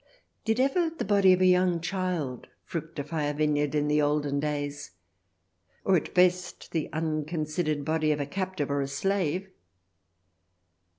Did ever the body of a young child fructify a vineyard in the olden days, or at best the un considered body of a captive or a slave